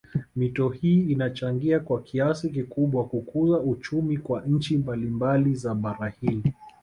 Mito hii inachangia kwa kiasi kikubwa kukuza uchumi kwa nchi mbalimbali za bara hili